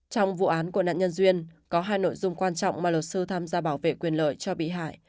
trong vụ án của nạn nhân duyên có hai nội dung quan trọng mà luật sư tham gia bảo vệ quyền lợi cho bị hại